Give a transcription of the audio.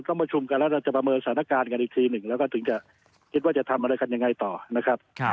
ก็ประชุมกันแล้วเราจะประเมินสถานการณ์กันอีกทีหนึ่งแล้วก็ถึงจะคิดว่าจะทำอะไรกันยังไงต่อนะครับ